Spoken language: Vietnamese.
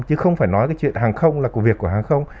chứ không phải nói cái chuyện hàng không là của việc của hàng không